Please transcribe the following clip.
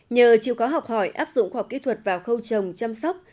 nhờ chịu có học hỏi áp dụng khoa học kỹ thuật vào khâu trồng chăm sóc